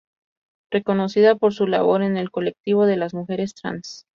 Reconocida por su labor en el colectivo de las mujeres trans.